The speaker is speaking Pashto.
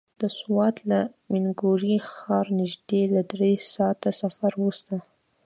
د سوات له مينګورې ښاره نژدې له دری ساعته سفر وروسته.